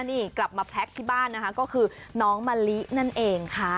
นี่กลับมาแพล็กที่บ้านนะคะก็คือน้องมะลินั่นเองค่ะ